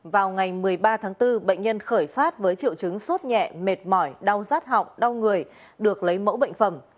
vào ngày một mươi ba tháng bốn bệnh nhân khởi phát với triệu chứng sốt nhẹ mệt mỏi đau rát họng đau người được lấy mẫu bệnh phẩm